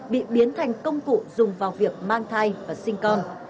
bị biến thành công cụ dùng vào việc mang thai và sinh con